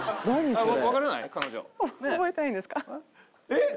えっ？